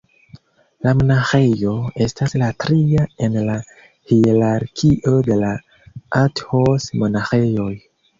La monaĥejo estas la tria en la hierarkio de la Athos-monaĥejoj.